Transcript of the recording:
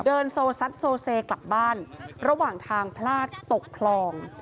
เดินโซซัดโซเซกลับบ้านระหว่างทางพลาดตกคลอง